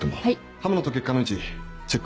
刃物と血管の位置チェック